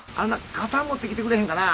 傘持ってきてくれへんかな？